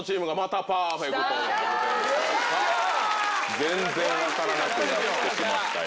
全然分からなくなってしまったよ。